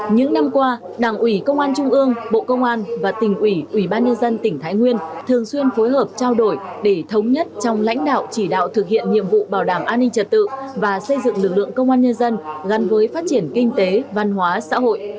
những năm qua đảng ủy công an trung ương bộ công an và tỉnh ủy ủy ban nhân dân tỉnh thái nguyên thường xuyên phối hợp trao đổi để thống nhất trong lãnh đạo chỉ đạo thực hiện nhiệm vụ bảo đảm an ninh trật tự và xây dựng lực lượng công an nhân dân gắn với phát triển kinh tế văn hóa xã hội